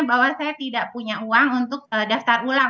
bahwa saya tidak punya uang untuk daftar ulang